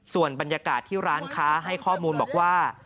ส่วนบรรยากาศที่ร้านค้าให้ข้อมูลบอกว่า